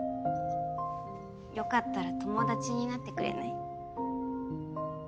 よかったら友達になってくれない？